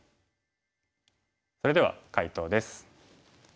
それでは解答です。